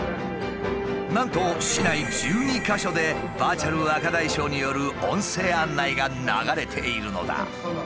なんと市内１２か所でバーチャル若大将による音声案内が流れているのだ。